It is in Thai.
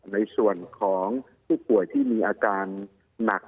ในส่วนของผู้ป่วยที่มีอาการหนัก